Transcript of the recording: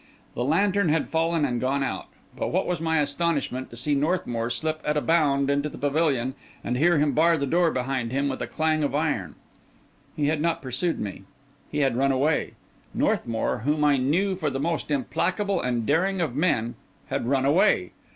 The lantern had fallen and gone out. But what was my astonishment to see Northmour slip at a bound into the pavilion, and hear him bar the door behind him with a clang of iron! He had not pursued me. He had run away. Northmour, whom I knew for the most implacable and daring of men, had run away!